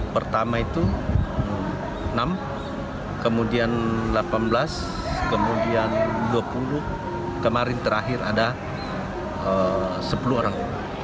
pertama itu enam kemudian delapan belas kemudian dua puluh kemarin terakhir ada sepuluh orang